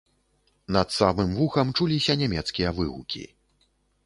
Над самым вухам чуліся нямецкія выгукі.